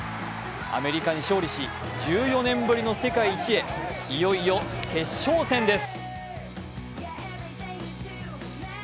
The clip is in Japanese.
アメリカに勝利し、１４年ぶりの世界一へ、いよいよ決勝戦です。